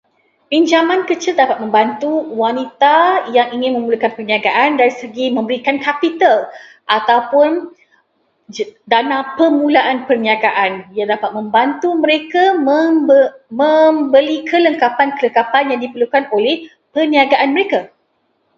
Pinjaman kecil dapat membantu wanita yang ingin memulakan perniagaan dari segi memberikan capital ataupun dana pemulaan perniagaan yang dapat membantu mereka mem- membeli kelengkapan-kelengkapan yang diperlukan oleh perniagaan mereka.